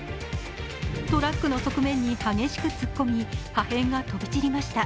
トラックの側面に激しく突っ込み破片が飛び散りました。